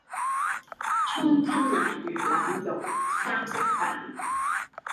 蔥吞拿魚腩茸三色飯